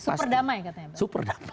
super damai katanya super damai